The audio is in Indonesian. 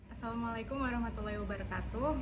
assalamualaikum warahmatullahi wabarakatuh